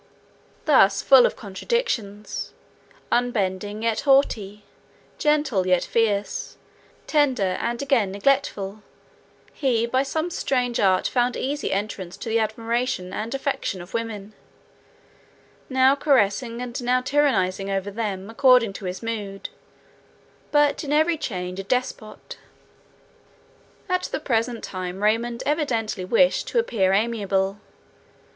Thus full of contradictions, unbending yet haughty, gentle yet fierce, tender and again neglectful, he by some strange art found easy entrance to the admiration and affection of women; now caressing and now tyrannizing over them according to his mood, but in every change a despot. At the present time Raymond evidently wished to appear amiable.